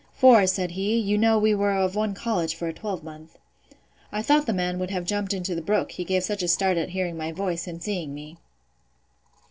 (for, said he, you know we were of one college for a twelvemonth.) I thought the man would have jumped into the brook, he gave such a start at hearing my voice, and seeing me.